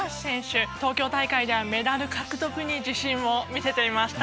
東京大会ではメダル獲得に自信を見せていました。